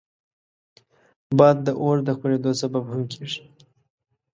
باد د اور د خپرېدو سبب هم کېږي